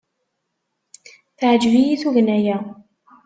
Teɛjeb-iyi tugna-a.